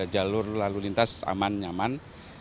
jalur lalu lintas aman nyaman